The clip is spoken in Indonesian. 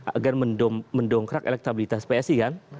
agar mendongkrak elektabilitas psi kan